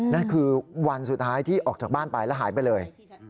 นั่นคือวันสุดท้ายที่ออกจากบ้านไปแล้วหายไปเลย